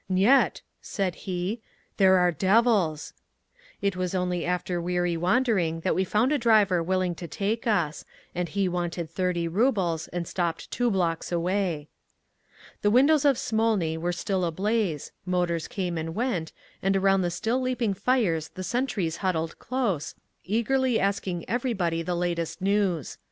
"Niet!" said he, "there are devils…." It was only after weary wandering that we found a driver willing to take us—and he wanted thirty rubles, and stopped two blocks away. The windows of Smolny were still ablaze, motors came and went, and around the still leaping fires the sentries huddled close, eagerly asking everybody the latest news.